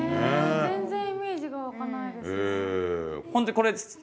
全然イメージがわかないです。